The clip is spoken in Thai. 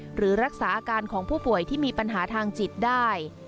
หรือรักษาอาการของผู้ป่วยที่มีปัญหาทางจิตได้